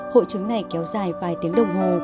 hội chứng này kéo dài vài tiếng đồng hồ